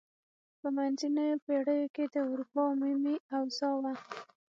په منځنیو پیړیو کې د اروپا عمومي اوضاع وه.